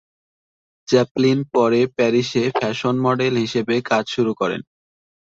Chaplin পরে প্যারিসে fashion model হিসেবে কাজ শুরু করেন।